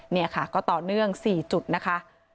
นี่ค่ะก็ต่อเนื่อง๔จุดนะคะ